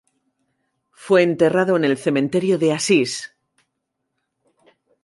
Fue enterrado en el Cementerio de Asís.